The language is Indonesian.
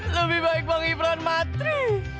lebih baik bang ibran matri